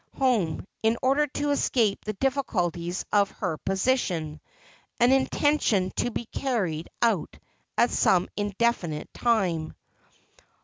371 home, in order to escape the difficulties of her position ; an intention to be carried out at some indefinite time.